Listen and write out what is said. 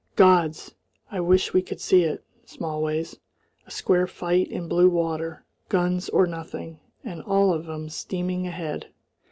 Gods! I wish we could see it, Smallways; a square fight in blue water, guns or nothing, and all of 'em steaming ahead!"